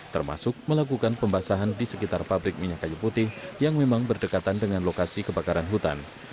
termasuk melakukan pembasahan di sekitar pabrik minyak kayu putih yang memang berdekatan dengan lokasi kebakaran hutan